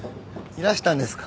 いらしたんですか？